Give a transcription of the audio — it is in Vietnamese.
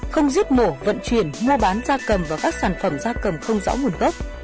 không giết mổ vận chuyển mua bán gia cầm và các sản phẩm gia cầm không rõ nguồn gốc